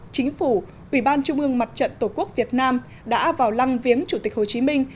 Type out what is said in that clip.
chính phủ ủy ban trung ương mặt trận tổ quốc việt nam đã vào lăng viếng chủ tịch hồ chí minh